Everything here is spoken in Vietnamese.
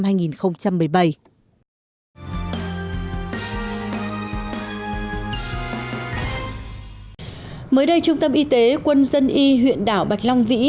mới đây trung tâm y tế quân dân y huyện đảo bạch long vĩ